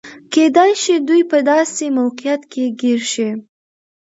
کېدای شي دوی په داسې موقعیت کې ګیر شي.